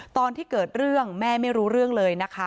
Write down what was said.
ตอนที่เกิดเรื่องแม่ไม่รู้เรื่องเลยนะคะ